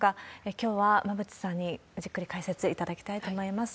きょうは馬渕さんにじっくり解説いただきたいと思います。